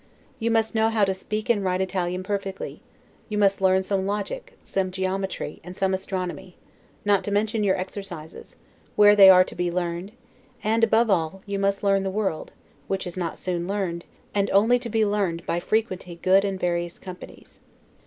You must know how to speak and write Italian perfectly; you must learn some logic, some geometry, and some astronomy; not to mention your exercises, where they are to be learned; and, above all, you must learn the world, which is not soon learned; and only to be learned by frequenting good and various companies.